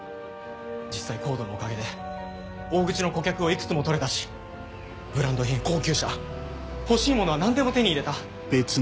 実際ＣＯＤＥのおかげで大口の顧客をいくつも取れたしブランド品高級車欲しい物は何でも手に入れた。